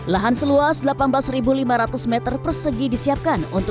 lahan seluas delapan belas lima ratus meter persegi disiapkan